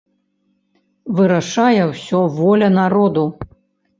Вырашае ўсё воля народу.